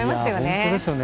本当ですよね。